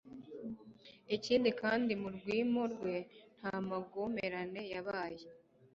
ikindi kandi mu rwimo rwe nta magomerane yabaye